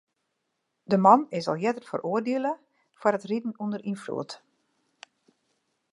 De man is al earder feroardiele foar it riden ûnder ynfloed.